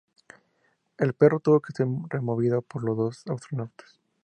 El perno tuvo que ser removido por los dos astronautas.